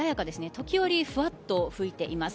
時折、ふわっと吹いています。